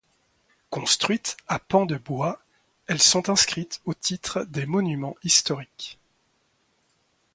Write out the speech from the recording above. Construites à pans de bois, elles sont inscrites au titre des Monuments historiques.